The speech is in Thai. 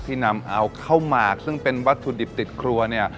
นำเอาข้าวหมากซึ่งเป็นวัตถุดิบติดครัวเนี่ย